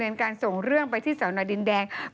ฝึกอินเหมือนในหนังอ่ะ